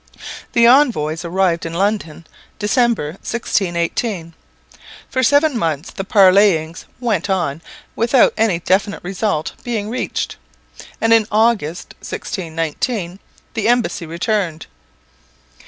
The envoys arrived in London, December, 1618. For seven months the parleyings went on without any definite result being reached, and in August, 1619, the embassy returned.